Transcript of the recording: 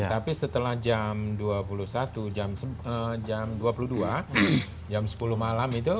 tapi setelah jam dua puluh satu jam dua puluh dua jam sepuluh malam itu